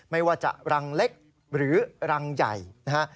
ไม่ว่าจะรังเล็กหรือรังใหญ่นะฮะ